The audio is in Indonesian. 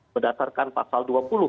berdasarkan pasal dua puluh